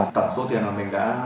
tổng số tiền mà mình đã thông qua